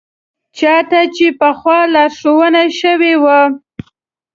چا ته چې پخوا لارښوونه شوې وه.